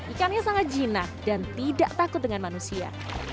ikannya sangat jinak dan tidak takut dengan manusia